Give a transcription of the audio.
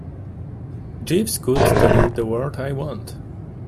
Jeeves could tell you the word I want.